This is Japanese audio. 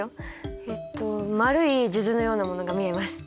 えっと丸い数珠のようなものが見えます。